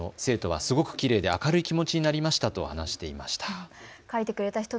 生徒はすごくきれいで明るい気持ちになりましたと話していました。